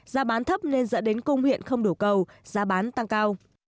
giá bán thấp nên dẫn đến cung huyện không đủ cầu giá bán tăng cao